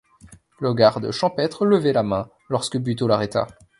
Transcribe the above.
Le garde champêtre levait la main, lorsque Buteau l’arrêta.